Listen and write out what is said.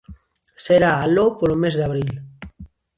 Será aló polo mes de abril.